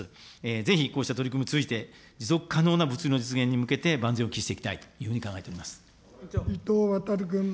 ぜひこうした取り組みを通じて、持続可能な物流の実現に向けて、万全を期していきたいというふう伊藤渉君。